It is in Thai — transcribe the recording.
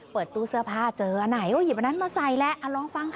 เปิดตู้เสื้อผ้าเจออันไหนอย่างนั้นมาใส่แล้วลองฟังค่ะ